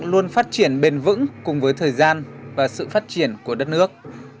luôn phát triển bền vững cùng với thời gian và sự phát triển của đất nước